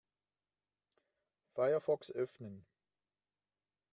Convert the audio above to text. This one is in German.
Firefox öffnen.